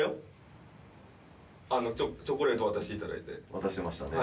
渡してましたね。